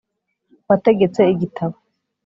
wategetse igitabo